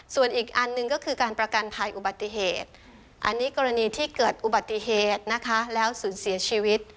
ส่วนอีกอันหนึ่งก็คือการประกันภัยอุบัติเหตุอันนี้กรณีที่เกิดอุบัติเหตุนะคะแล้วสูญเสียชีวิต